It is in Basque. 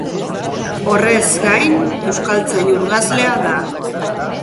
Horrez gain, euskaltzain urgazlea da.